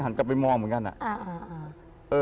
กลับไปมองเหมือนกันอะ